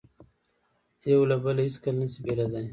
یو له بله هیڅکله نه شي بېلېدای.